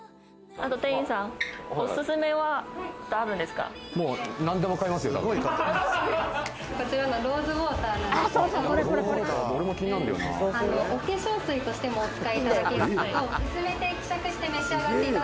店員さん、オススメはあるんこちらのローズウォーター、お化粧水としても、お使いいただける。